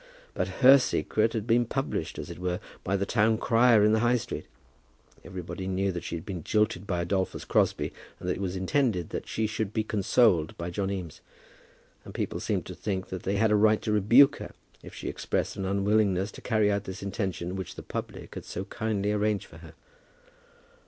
But her secret had been published, as it were, by the town crier in the High Street! Everybody knew that she had been jilted by Adolphus Crosbie, and that it was intended that she should be consoled by John Eames. And people seemed to think that they had a right to rebuke her if she expressed an unwillingness to carry out this intention which the public had so kindly arranged for her.